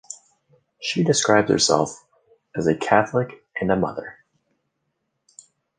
She describes herself "As a Catholic and a mother".